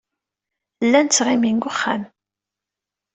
Llan ttɣimin deg wexxam.